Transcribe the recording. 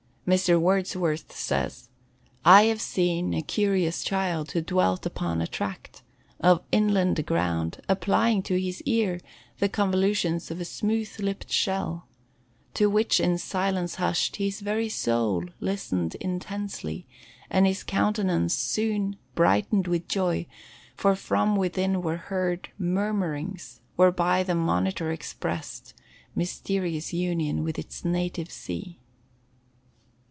Mr. Wordsworth says: "I have seen A curious child, who dwelt upon a tract Of inland ground, applying to his ear The convolutions of a smooth lipped shell; To which, in silence hushed, his very soul Listened intensely; and his countenance soon Brightened with joy, for from within were heard Murmurings, whereby the monitor expressed Mysterious union with its native sea."